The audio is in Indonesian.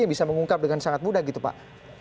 yang bisa mengungkap dengan sangat mudah gitu pak